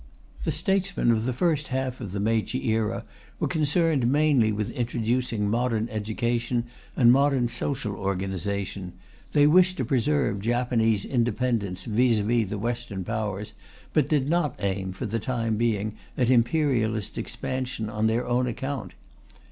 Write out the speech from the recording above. The statesmen of the first half of the Meiji era were concerned mainly with introducing modern education and modern social organization; they wished to preserve Japanese independence vis à vis the Western Powers, but did not aim, for the time being, at imperialist expansion on their own account.